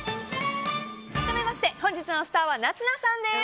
改めてまして本日のスターは夏菜さんです。